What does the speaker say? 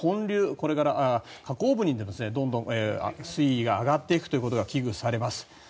これから河口部にもどんどん水位が上がっていくということが危惧されます。